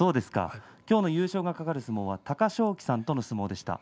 今日の優勝が懸かる相撲は隆翔生さんとの相撲でした。